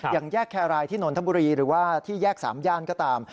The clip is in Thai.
อย่างแยกแครรายที่นนทบุรีหรือว่าที่แยก๓ย่านก็ตาม